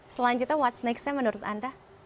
selanjutnya what's next nya menurut anda